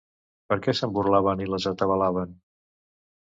Perquè se'n burlaven i les atabalaven.